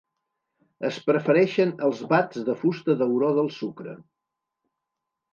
Es prefereixen els bats de fusta d'auró del sucre.